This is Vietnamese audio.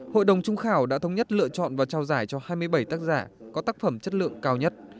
hội đồng trung khảo đã thống nhất lựa chọn và trao giải cho hai mươi bảy tác giả có tác phẩm chất lượng cao nhất